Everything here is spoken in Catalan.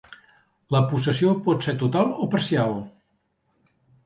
La possessió pot ser total o parcial.